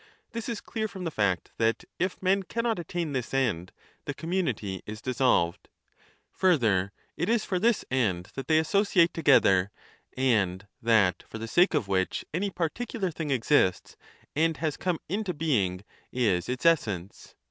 This is clear from the fact that, if men cannot attain this end. the community is dissolved. Further, it is for this end that they associate together ; and that for the sake of which any particular thing exists and has come into being is its essence.